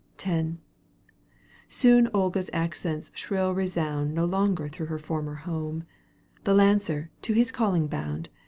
X Soon Olga's accents shrill resound No longer through her former home ; The lancer, to his calling bound.